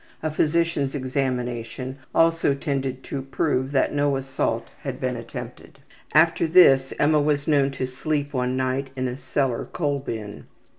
A physician's examination also tended to prove that no assault had been attempted. After this Emma was known to sleep one night in a cellar coal bin.